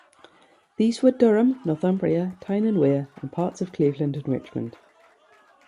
These were Durham, Northumbria, Tyne and Wear, and parts of Cleveland and Richmond.